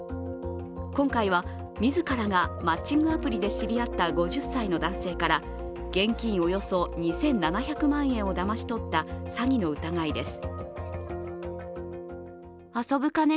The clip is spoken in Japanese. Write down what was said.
今回は、自らがマッチングアプリで知り合った５０歳の男性から現金およそ２７００万円をだまし取った詐欺の疑いです。